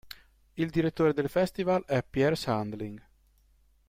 Il Direttore del Festival è Piers Handling.